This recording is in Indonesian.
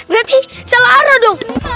berarti salah arah dong